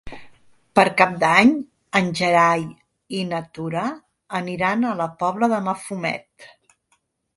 Per Cap d'Any en Gerai i na Tura aniran a la Pobla de Mafumet.